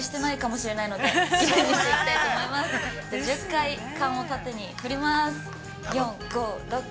１０回缶を縦に振ります。